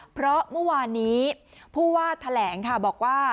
เพราะเมื่อวานนี้ผู้ว่าแถลงค่ะบอกว่า